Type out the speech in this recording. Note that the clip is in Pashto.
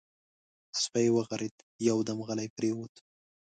سپی وغرېد، يودم غلی پرېووت.